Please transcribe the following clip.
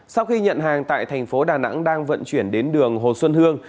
sau khi nhận hàng tại thành phố đà nẵng đang vận chuyển đến đường hồ xuân hương